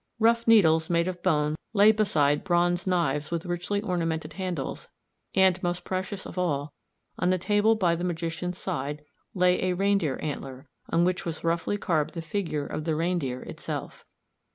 Rough needles made of bone lay beside bronze knives with richly ornamented handles and, most precious of all, on the table by the magician's side lay a reindeer antler, on which was roughly carved the figure of the reindeer itself.